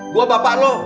gua bapak lu